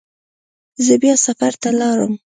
زه بیا سفر ته لاړم.